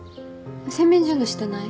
洗面所の下ない？